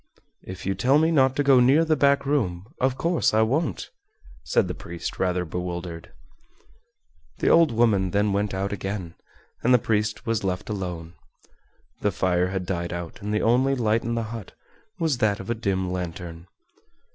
"If you tell me not to go near the back room, of course I won't," said the priest, rather bewildered. The old woman then went out again, and the priest was left alone. The fire had died out, and the only light in the hut was that of a dim lantern.